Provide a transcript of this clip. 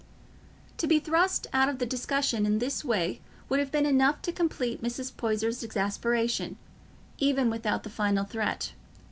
To be thrust out of the discussion in this way would have been enough to complete Mrs. Poyser's exasperation, even without the final threat.